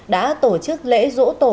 đã tổ chức lễ dỗ tổ